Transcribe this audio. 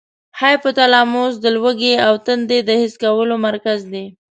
هایپو تلاموس د لوږې او تندې د حس کولو مرکز دی.